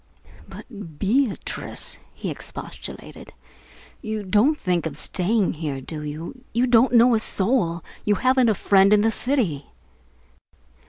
"But Beatrice," he expostulated, "you don't think of staying out here, do you? You don't know a soul. You haven't a friend in the city."